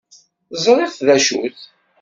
Zṛiɣ d acu-t.